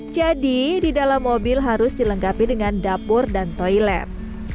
di dalam mobil harus dilengkapi dengan dapur dan toilet